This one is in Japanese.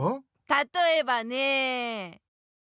たとえばねえ。